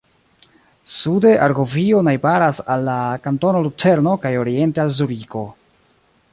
Sude Argovio najbaras al la kantono Lucerno kaj oriente al Zuriko.